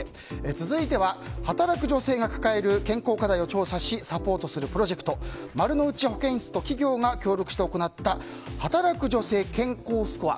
続いては働く女性が抱える健康課題を調査しサポートするプロジェクトまるのうち保健室と企業が協力して行った「働く女性健康スコア」